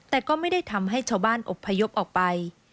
แต่ก็ไม่ได้ทำให้ชาวบ้านอบพยพออกไป